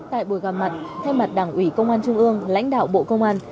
tại buổi gặp mặt thay mặt đảng ủy công an trung ương lãnh đạo bộ công an